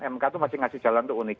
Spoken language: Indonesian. mk itu masih ngasih jalan tuh unik